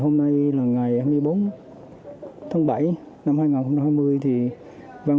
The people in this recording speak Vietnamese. hôm nay là ngày hai mươi bốn tháng bảy năm hai nghìn hai mươi